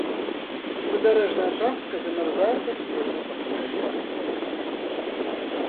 Прыбярэжная частка замярзае са снежня па сакавік-красавік.